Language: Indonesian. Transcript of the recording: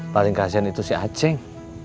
paling kasihan itu si aceng